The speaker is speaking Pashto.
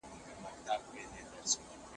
ورته ضرور دي دا دواړه توکي